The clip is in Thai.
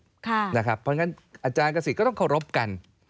เพราะฉะนั้นอาจารย์กษิตก็ต้องเคารพกัน